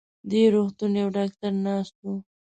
دې روغتون يو ډاکټر ناست و.